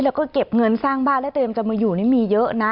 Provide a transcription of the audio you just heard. แล้วก็เก็บเงินสร้างบ้านและเตรียมจะมาอยู่นี่มีเยอะนะ